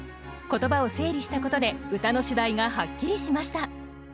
言葉を整理したことで歌の主題がはっきりしました。